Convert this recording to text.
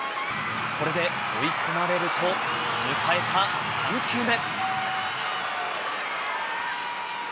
これで追い込まれると、迎えた３球目。